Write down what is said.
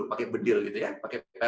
tembak sampai anda menjadi lebih tepat